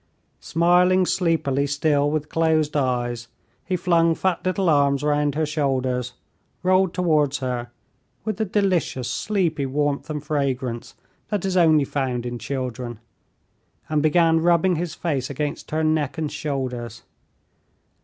Smiling sleepily still with closed eyes, he flung fat little arms round her shoulders, rolled towards her, with the delicious sleepy warmth and fragrance that is only found in children, and began rubbing his face against her neck and shoulders.